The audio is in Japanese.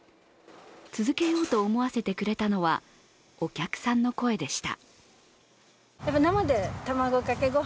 続けようと思わせてくれたのはお客さんの声でした。